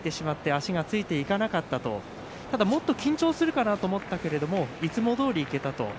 足がついていかなかったとただもっと緊張するかなと思ったけれどもいつもどおりにいけたと。